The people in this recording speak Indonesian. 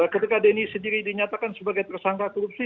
ketika denny sendiri dinyatakan sebagai tersangka korupsi